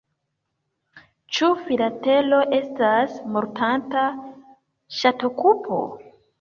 Ĉu filatelo estas mortanta ŝatokupo?